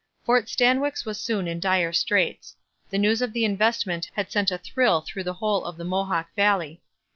Fort Stanwix was soon in dire straits. The news of the investment had sent a thrill through the whole of the Mohawk valley.